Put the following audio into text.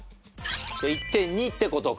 １．２って事か？